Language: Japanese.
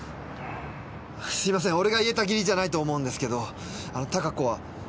すいません俺が言えた義理じゃないと思うんですけどあの貴子は。